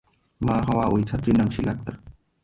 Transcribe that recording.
মা হওয়া ওই ছাত্রীর নাম শীলা আক্তার।